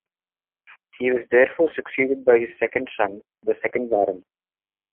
He was therefore succeeded by his second son, the second Baron.